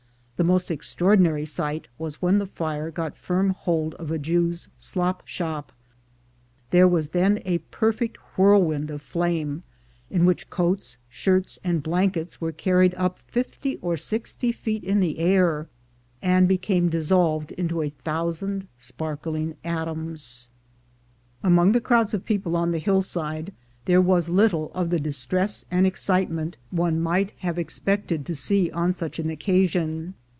The most extraordinary sight was when the fire got firm hold of a Jew's slop shop; there was then a perfect whirl wind of flame, in which coats, shirts, and blankets were carried up fifty or sixty feet in the air, and be came dissolved into a thousand sparkling atoms. Among the crowds of people on the hillside there was little of the distress and excitement one might 328 THE GOLD HUNTERS have expected to see on such an occasion.